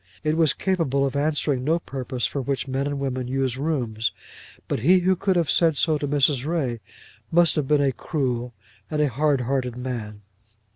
It was capable of answering no purpose for which men and women use rooms; but he who could have said so to Mrs. Ray must have been a cruel and a hardhearted man.